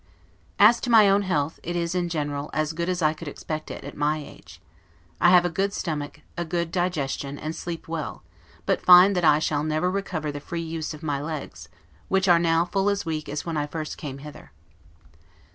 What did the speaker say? As to my own health, it is, in general, as good as I could expect it, at my age; I have a good stomach, a good digestion, and sleep well; but find that I shall never recover the free use of my legs, which are now full as weak as when I first came hither.